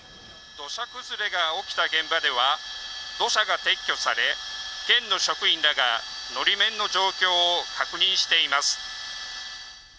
土砂崩れが起きた現場では、土砂が撤去され、県の職員らが、のり面の状況を確認しています。